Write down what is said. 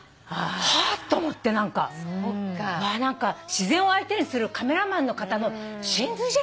自然を相手にするカメラマンの方の神髄じゃない？と思って。